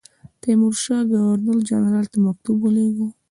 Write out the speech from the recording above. تیمورشاه ګورنر جنرال ته مکتوب ولېږی.